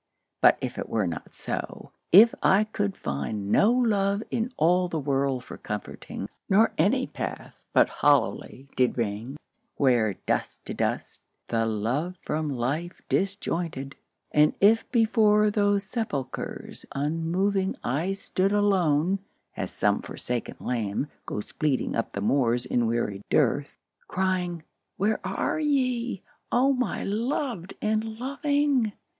But if it were not so, — if I could find No love in all the world for comforting, Nor any path but hollowly did ring, Where "dust to dust"the love from life disjoined And if before those sepulchres unmoving I stood alone (as some forsaken lamb Goes bleating up the moors in weary dearth), Crying, " Where are ye, O my loved and loving?"